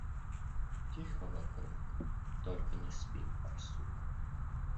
Тихо вокруг, только не спит барсук.